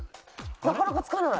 なかなかつかない。